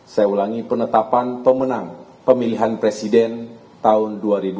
saya ulangi penetapan pemenang pemilihan presiden tahun dua ribu dua puluh